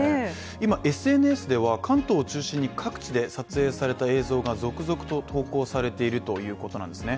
今ＳＮＳでは関東を中心に各地で撮影された映像が続々と投稿されているということなんですね。